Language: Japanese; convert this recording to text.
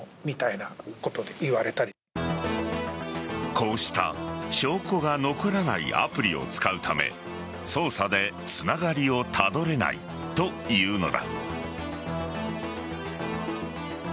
こうした証拠が残らないアプリを使うため捜査でつながりをたどれないというのだ。